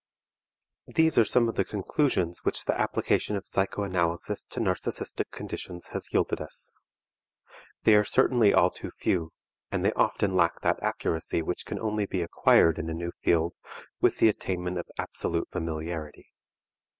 These are some of the conclusions which the application of psychoanalysis to narcistic conditions has yielded us. They are certainly all too few, and they often lack that accuracy which can only be acquired in a new field with the attainment of absolute familiarity.